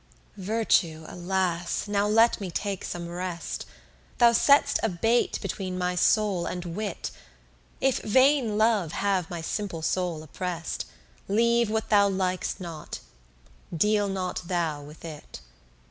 4 Virtue, alas, now let me take some rest. Thou set'st a bate between my soul and wit. If vain love have my simple soul oppress'd, Leave what thou likest not, deal not thou with it.